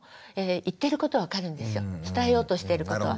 伝えようとしてることは。